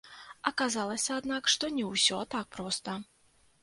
Аказалася, аднак, што не ўсё так проста.